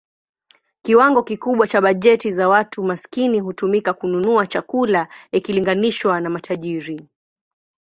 Kiwango kikubwa cha bajeti za watu maskini hutumika kununua chakula ikilinganishwa na matajiri.